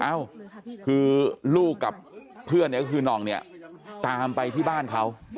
เอ้าคือลูกกับเพื่อนเนี่ยก็คือน่องเนี่ยตามไปที่บ้านเขา